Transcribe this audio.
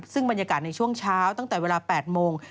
ซึ่งบรรยากาศในช่วงเช้าตั้งแต่เวลา๘โมง